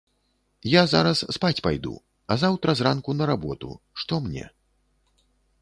Я зараз спаць пайду, а заўтра зранку на работу, што мне.